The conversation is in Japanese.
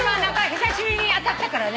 久しぶりに当たったからね。